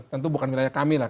tentu bukan wilayah kami lah